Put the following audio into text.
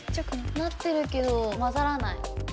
なってるけど混ざらない。